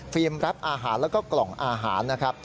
รับอาหารแล้วก็กล่องอาหารนะครับ